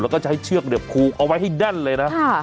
แล้วก็ใช้เชือกเนี่ยพูเอาไว้ให้ดั้นเลยนะค่ะ